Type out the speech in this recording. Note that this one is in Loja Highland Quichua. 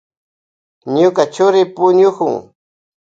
Ñuka churi puñukun.